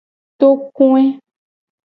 Tokoe.